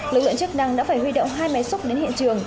lực lượng chức năng đã phải huy động hai máy xúc đến hiện trường